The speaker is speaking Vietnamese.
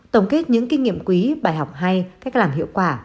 tổng kết những kinh nghiệm quý bài học hay cách làm hiệu quả